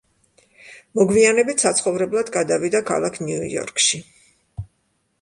მოგვიანებით საცხოვრებლად გადავიდა ქალაქ ნიუ-იორკში.